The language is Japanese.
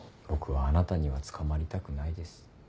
僕はあなたには捕まりたくないです。